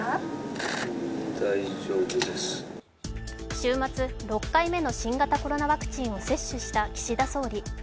週末、６回目の新型コロナワクチンを接種した岸田総理。